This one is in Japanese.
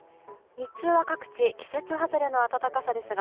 日中は各地季節外れの暖かさですが